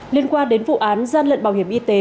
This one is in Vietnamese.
liên quan đến vụ án gian lận bảo hiểm y tế